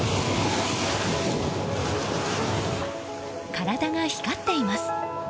体が光っています。